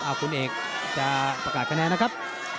คุณเอกจะประกาศคะแนนนะครับ